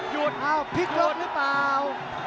โดนท่องโดนท่องมีอาการ